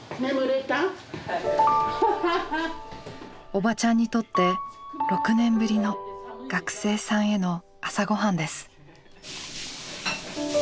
おばちゃんにとって６年ぶりの学生さんへの朝ごはんです。